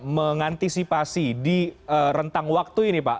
mengantisipasi di rentang waktu ini pak